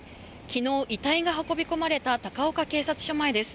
昨日、遺体が運び込まれた高岡警察署前です。